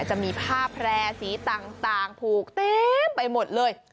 จะมีผ้าแพร่สีต่างผูกเต็มไปหมดเลย